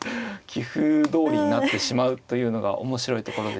棋風どおりになってしまうというのが面白いところですよね。